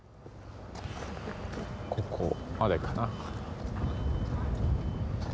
ここまでかな？